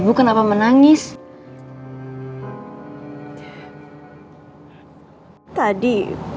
suara kamu indah sekali